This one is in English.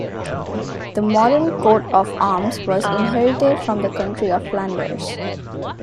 The modern coat of arms was inherited from the County of Flanders.